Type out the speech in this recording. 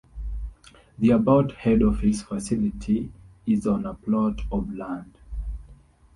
The about head office facility is on a plot of land.